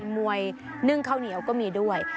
มวยนึ่งข้าวเหนียวก็มีด้วย